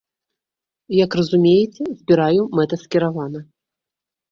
Як разумееце, збіраю мэтаскіравана.